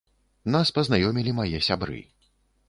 Нас пазнаёмілі мае сябры.